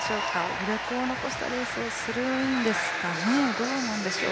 余力を残したレースをするんですかね、どうなんでしょう。